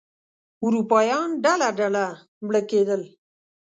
اروپایان ډله ډله مړه کېدل.